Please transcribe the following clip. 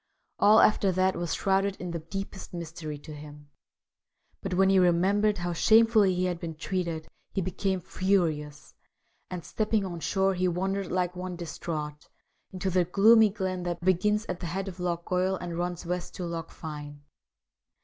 All after that was shrouded in the deepest mystery to him ; but when he remembered how shamefully he had been treated he became furious, and stepping on shore he wandered like one distraught into the gloomy glen that begins at the head of Loch Goil and runs west to Loch Fyne.